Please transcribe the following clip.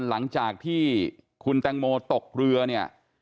หลังจากที่คุณแตงโมตกเรือเนี่ย